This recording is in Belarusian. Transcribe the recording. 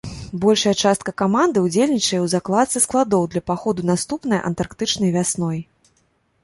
Большая частка каманды ўдзельнічае ў закладцы складоў для паходу наступнай антарктычнай вясной.